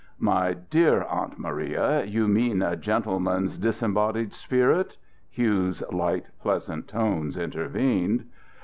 "My dear Aunt Maria, you mean a gentleman's disembodied spirit," Hugh's light, pleasant tones intervened.